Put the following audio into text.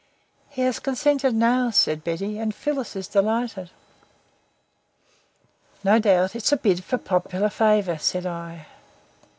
"He has consented now," said Betty, "and Phyllis is delighted." "No doubt it's a bid for popular favour," said I.